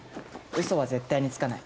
嘘は絶対につかない。